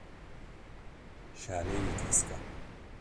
şalê wî kesk e.